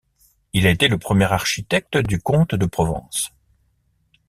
Il a été le Premier architecte du comte de Provence.